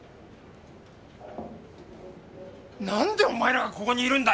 なんでお前らがここにいるんだよ！？